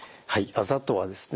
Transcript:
あざとはですね